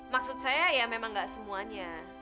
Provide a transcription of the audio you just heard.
maksud saya ya memang gak semuanya